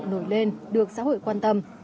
nổi lên được xã hội quan tâm